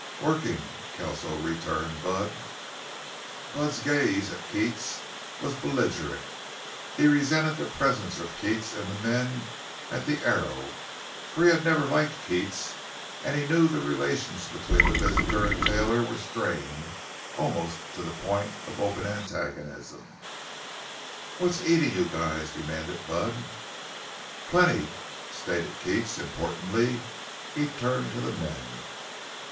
"Workin', Kelso," returned Bud. Bud's gaze at Keats was belligerent; he resented the presence of Keats and the men at the Arrow, for he had never liked Keats, and he knew the relations between the visitor and Taylor were strained almost to the point of open antagonism. "What's eatin' you guys?" demanded Bud. "Plenty!" stated Keats importantly. He turned to the men.